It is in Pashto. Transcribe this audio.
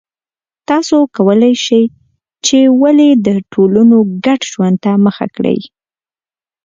تاسو کولای شئ چې ولې ټولنو ګډ ژوند ته مخه کړه